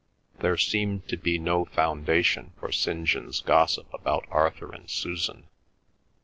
There seemed to be no foundation for St. John's gossip about Arthur and Susan.